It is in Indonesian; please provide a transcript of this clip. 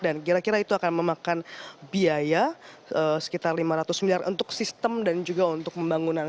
dan kira kira itu akan memakan biaya sekitar lima ratus miliar untuk sistem dan juga untuk pembangunan